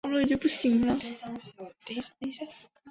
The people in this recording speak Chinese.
第十九届中共中央委员。